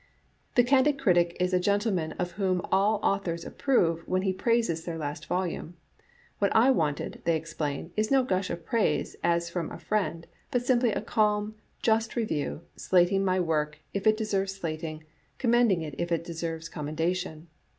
" The candid critic is a gentleman of whom all au thors approve when he praises their last volume. What I wanted, they explain, is no gush of praise, as from a friend, but simply a calm, just review, slating my work if it deserves slating, commending it if it deserves com mendation.